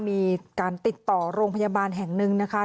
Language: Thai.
มีการติดต่อโรงพยาบาลแห่งหนึ่งนะคะ